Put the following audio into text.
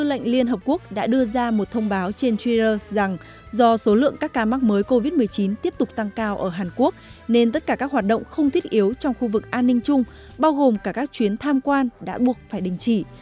bộ tư lệnh liên hợp quốc đã đưa ra một thông báo trên twitter rằng do số lượng các ca mắc mới covid một mươi chín tiếp tục tăng cao ở hàn quốc nên tất cả các hoạt động không thiết yếu trong khu vực an ninh chung bao gồm cả các chuyến tham quan đã buộc phải đình chỉ